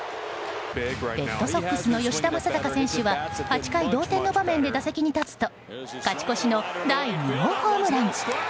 レッドソックスの吉田正尚選手は８回、同点の場面で打席に立つと勝ち越しの第２号ホームラン。